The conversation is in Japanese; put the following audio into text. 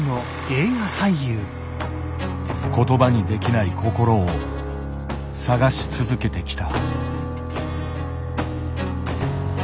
言葉にできない心を探し続けてきた。